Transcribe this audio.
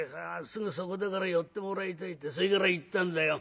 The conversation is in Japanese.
すぐそこだから寄ってもらいたいってそれから行ったんだよ。